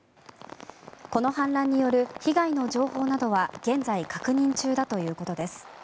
この氾濫による被害などの情報は現在確認中だということです。